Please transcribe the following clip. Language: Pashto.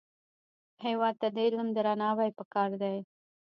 هېواد ته د علم درناوی پکار دی